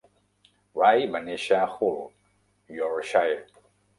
Wray va néixer a Hull, Yorkshire.